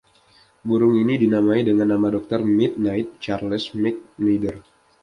Burung ini dinamai dengan nama Dokter Mid-Nite, Charles McNider.